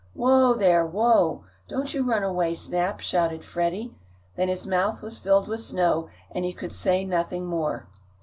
"Whoa there! Whoa! Don't you run away, Snap!" shouted Freddie. Then his mouth was filled with snow and he could say nothing more.